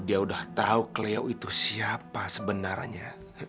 dia udah tahu kelew itu siapa sebenarnya